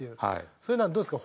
そういうのはどうですか？